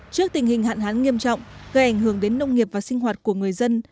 trước tình hình hạn hán nghiêm trọng gây ảnh hưởng đến nông nghiệp và sinh hoạt của người dân